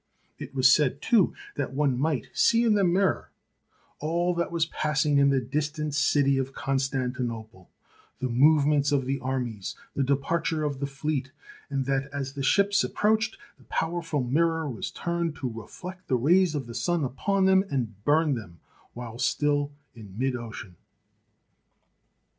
It was said, too, that one might see in the mirror all that was passing in the distant city of Constantinople, the movements of the armies, the departure of the fleet, and that as the ships approached the powerful mirror was turned to reflect the rays of the sun upon them and burn them while still in midocean.